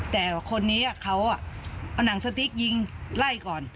แต่คนนี้เขาเอาหนังสติ๊กยิงไล่ก่อน